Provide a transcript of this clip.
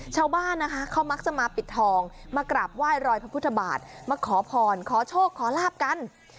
ชาวบ้านนะคะเขามักจะมาปิดทองมากราบไหว้รอยพระพุทธบาทมาขอพรขอโชคขอลาบกัน